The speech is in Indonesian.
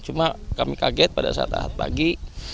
cuma kami kaget pada saat tahap pagi